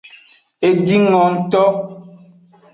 E jingo ngto.